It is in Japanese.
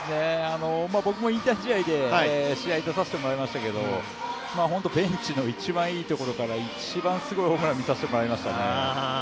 僕も引退試合で、試合に出させてもらいましたけど、本当、ベンチの一番いいところから一番すごいホームランを見させてもらいました。